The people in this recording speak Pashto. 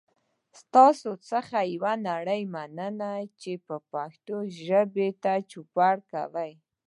ستاسو څخه یوه نړۍ مننه چې پښتو ژبې ته چوپړ کوئ.